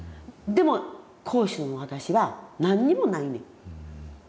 でも講師の私は何にもないねん。